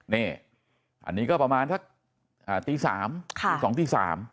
นี่อันนี้ก็ประมาณสักอ่าตีสามค่ะสองตีสาม